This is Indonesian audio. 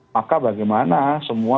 maka bagaimana semua